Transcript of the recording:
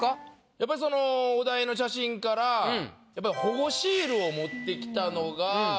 やっぱりお題の写真から保護シールを持ってきたのが。